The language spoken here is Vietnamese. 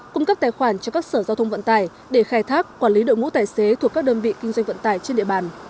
cung cấp tài khoản cho các sở giao thông vận tải để khai thác quản lý đội ngũ tài xế thuộc các đơn vị kinh doanh vận tải trên địa bàn